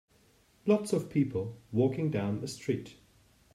Lots of people walking down a street.